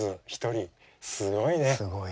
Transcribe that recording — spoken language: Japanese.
すごいね。